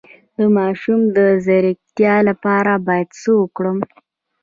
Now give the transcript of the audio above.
د ماشوم د ځیرکتیا لپاره باید څه وکړم؟